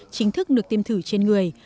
chính thức được tiêm thử trên người